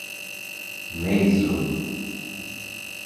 Meizu